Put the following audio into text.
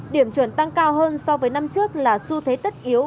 điểm chuẩn tăng cao hơn so với năm trước là xu thế tất yếu